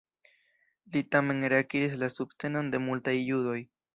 Li tamen reakiris la subtenon de multaj judoj.